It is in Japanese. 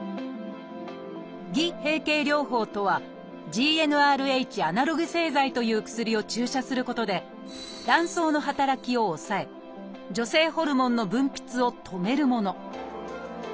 「偽閉経療法」とは「ＧｎＲＨアナログ製剤」という薬を注射することで卵巣の働きを抑え女性ホルモンの分泌を止めるもの。